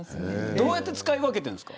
どうやって使い分けてるんですか。